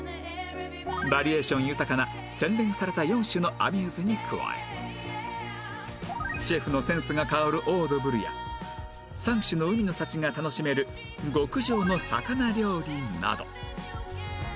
バリエーション豊かな洗練された４種のアミューズに加えシェフのセンスが薫るオードブルや３種の海の幸が楽しめる極上の魚料理など